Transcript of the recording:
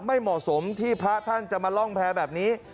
ไม่เหมาะสมที่พระท่านจะมาล่องแพรแบบนี้